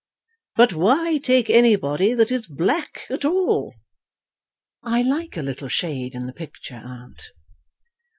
"But why take anybody that is black at all?" "I like a little shade in the picture, aunt."